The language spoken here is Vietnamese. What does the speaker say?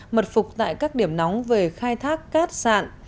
mật phục tại các điểm nóng về khai thác cát sản